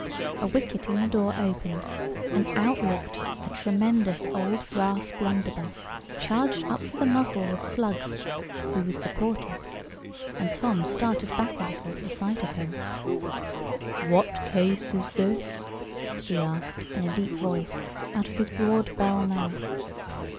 A wicket in the door opened, and out looked a tremendous old brass blunderbuss charged up to the muzzle with slugs, who was the porter; and Tom started back a little at the sight of him. [Picture: The blunderbuss] "What case is this?" he asked in a deep voice, out of his broad bell mouth.